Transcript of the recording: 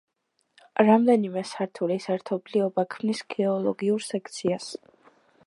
რამდენიმე სართულის ერთობლიობა ქმნის გეოლოგიურ სექციას.